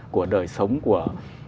của đời sống của